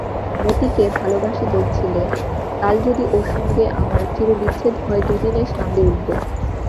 মতিকে ভালোবাসি বলছিলে, কাল যদি ওর সঙ্গে আমার চিরবিচ্ছেদ হয় দুদিনে সামলে উঠব।